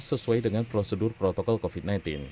sesuai dengan prosedur protokol covid sembilan belas